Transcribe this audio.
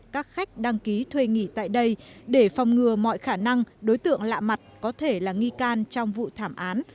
các khách đăng ký thuê nghỉ tại đây để phòng ngừa mọi khả năng đối tượng lạ mặt có thể là nghi can trong vụ thảm án